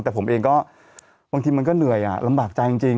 แต่ผมเองก็บางทีมันก็เหนื่อยลำบากใจจริง